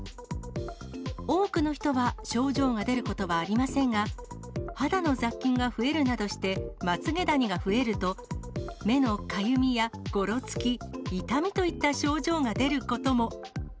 多くの人は症状が出ることはありませんが、肌の雑菌が増えるなどして、まつげダニが増えると、目のかゆみやごろつき、痛みといった症状が出ることも。